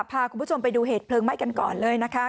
พาคุณผู้ชมไปดูเหตุเพลิงไหม้กันก่อนเลยนะคะ